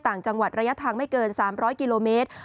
ต่างจังหวัดระยะทางไม่เกิน๓๐๐กิโลเมตร